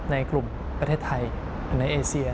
ในกลุ่มประเทศไทยในเอเซีย